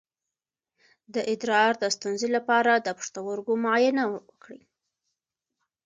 د ادرار د ستونزې لپاره د پښتورګو معاینه وکړئ